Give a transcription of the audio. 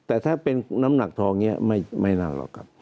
แต่ถ้าเป็นน้ำหนักทองนี้ไม่นานหรอกครับ